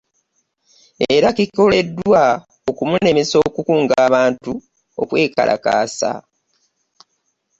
Era kikoleddwa okumulemesa okukunga abantu okwekalakaasa